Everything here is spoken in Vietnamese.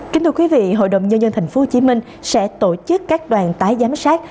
chính thưa quý vị hội đồng nhân dân thành phố hồ chí minh sẽ tổ chức các đoàn tái giám sát